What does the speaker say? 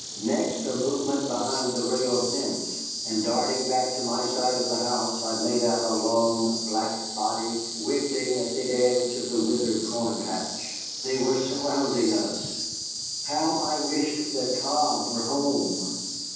Next, a movement behind the rail fence, and darting back to my side of the house I made out a long black body wriggling at the edge of the withered corn patch. They were surrounding us. How I wished that Tom were home!